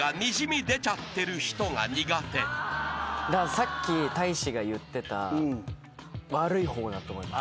さっき大志が言ってた悪い方だと思います。